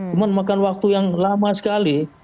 cuma makan waktu yang lama sekali